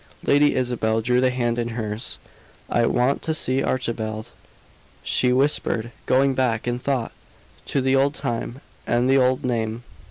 Lady Isabel drew the hand in hers. "I want to see Archibald," she whispered, going back, in thought, to the old time and the old name.